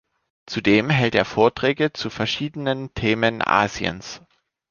Zudem hält er Vorträge zu verschiedenen Themen Asiens.